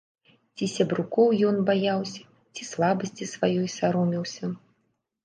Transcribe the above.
Ці сябрукоў ён баяўся, ці слабасці сваёй саромеўся.